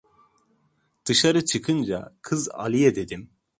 Dışarı çıkınca: "Kız Aliye!" dedim.